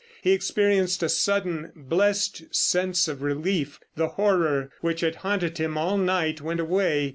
He experienced a sudden, blessed sense of relief. The horror which had haunted him all night went away.